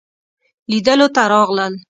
لیدلو ته راغلل.